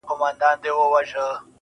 نن والله پاك ته لاسونه نيسم.